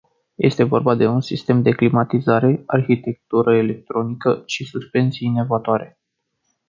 Este vorba de un sistem de climatizare, arhitectură electronică și suspensii inovatoare.